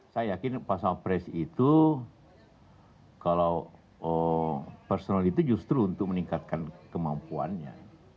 saya yakin pas wapres itu kalau personal itu justru untuk meningkatkan kemampuannya